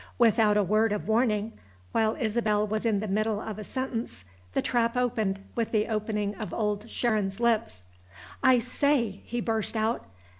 Without a word of warning while Isabel was in the middle of a sentence the trap opened, with the opening of Old Sharon's lips. "I say," he burst out.